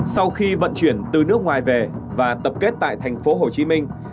sau khi vận chuyển từ nước ngoài về và tập kết tại thành phố hồ chí minh